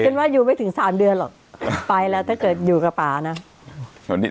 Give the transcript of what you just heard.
เป็นว่าอยู่ไม่ถึงสามเดือนหรอกไปแล้วถ้าเกิดอยู่กับป่านะส่วนที่